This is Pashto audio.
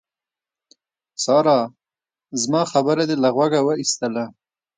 سارا! زما خبره دې له غوږه واېستله.